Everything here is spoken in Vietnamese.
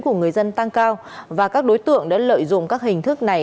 của người dân tăng cao và các đối tượng đã lợi dụng các hình thức này